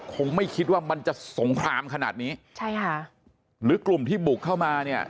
คงไม่คิดว่ามันจะสงครามขนาดนี้ใช่ค่ะหรือกลุ่มที่บุกเข้ามาเนี่ย